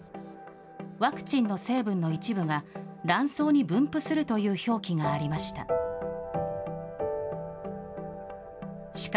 ワクチンの成分の一部が卵巣に分布するという表記がありました。